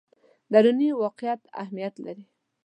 دروني واقعیت اهمیت لري.